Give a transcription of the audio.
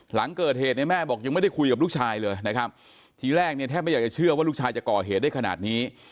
หลังเกิดเหตุเนี่ยแม่บอกยังไม่ได้คุยกับลูกชายเลยนะครับทีแรกเนี่ยแทบไม่อยากจะเชื่อว่าลูกชายจะก่อเหตุได้ขนาดนี้